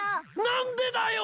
何でだよ！